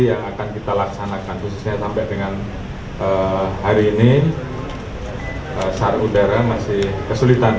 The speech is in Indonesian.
yang akan kita laksanakan khususnya sampai dengan hari ini sar udara masih kesulitan